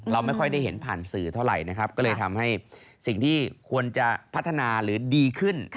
เราไม่ค่อยได้เห็นผ่านสื่อเท่าไหร่นะครับก็เลยทำให้สิ่งที่ควรจะพัฒนาหรือดีขึ้น